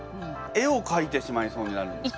絵をかいてしまいそうになるんです。